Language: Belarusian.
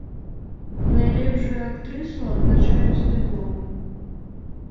Найлепшую актрысу адзначаюць дыпломам.